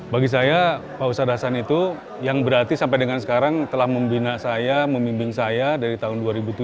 bagi saya pak ustadz hasan itu yang berarti sampai dengan sekarang telah membina saya membimbing saya dari tahun dua ribu tujuh belas